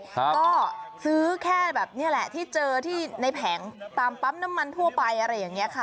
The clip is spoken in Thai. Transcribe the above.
ก็ซื้อแค่แบบนี้แหละที่เจอที่ในแผงตามปั๊มน้ำมันทั่วไปอะไรอย่างนี้ค่ะ